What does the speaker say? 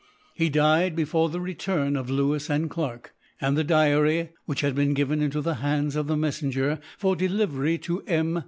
He died before the return of Lewis and Clarke; and the Diary, which had been given into the hands of the messenger for delivery to M.